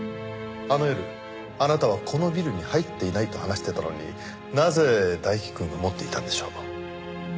あの夜あなたはこのビルに入っていないと話してたのになぜ大樹くんが持っていたんでしょう？